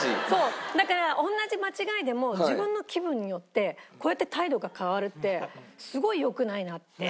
だから同じ間違いでも自分の気分によってこうやって態度が変わるってすごい良くないなって。